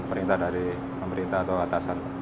perintah dari pemerintah atau atasan